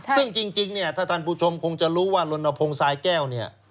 ซึ่งจริงถ้าท่านผู้ชมคงจะรู้ว่าลนพงท์ทรายแก้ว